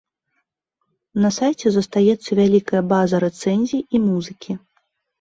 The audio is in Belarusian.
На сайце застаецца вялікая база рэцэнзій і музыкі.